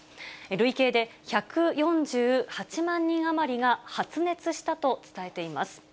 累計で１４８万人余りが発熱したと伝えています。